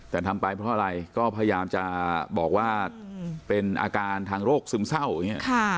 แต่ทำไปเพราะอะไรก็พยายามจะบอกว่าเป็นอาการทางโรคซึมเศร้าอย่างนี้